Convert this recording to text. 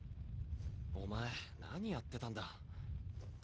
お前何やってたんだ。